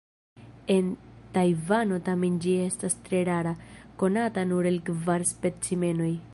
En Tajvano tamen ĝi estas tre rara, konata nur el kvar specimenoj.